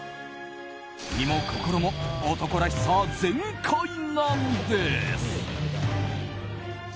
身も心も男らしさ全開なんです。